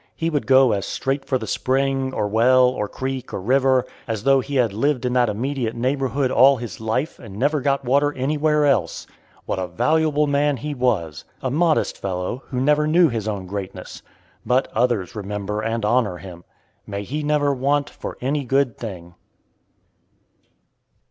He would go as straight for the spring, or well, or creek, or river, as though he had lived in that immediate neighborhood all his life and never got water anywhere else. What a valuable man he was! A modest fellow, who never knew his own greatness. But others remember and honor him. May he never want for any good thing!